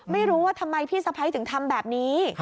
ไม่รู้ว่าทำไมพี่สะพ้ายถึงทำแบบนี้